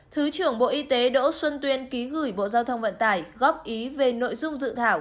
thứ trưởng bộ y tế đỗ xuân tuyên ký gửi bộ giao thông vận tải góp ý về nội dung dự thảo